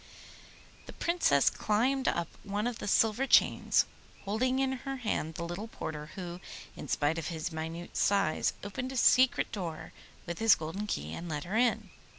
The Princess climbed up one of the silver chains, holding in her hand the little porter who, in spite of his minute size, opened a secret door with his golden key and let her in.